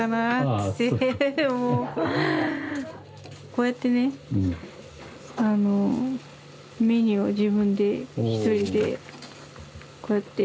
こうやってねメニューを自分でひとりでこうやって。